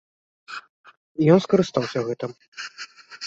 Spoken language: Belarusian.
І ён скарыстаўся гэтым.